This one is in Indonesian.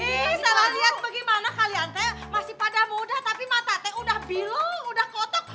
ini salah liat bagaimana kalian teh masih pada muda tapi mata teh udah bilang udah kotok